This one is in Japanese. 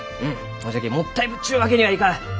ほんじゃきもったいぶっちゅうわけにはいかん。